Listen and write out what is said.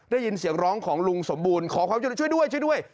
ได้ยินเสียงร้องของลุงสมบูรณ์ขอความช่วยเหลือช่วยด้วยช่วยด้วย